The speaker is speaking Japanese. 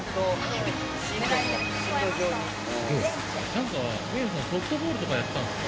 なんかソフトボールとかやってたんですか？